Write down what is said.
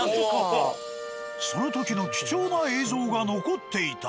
その時の貴重な映像が残っていた。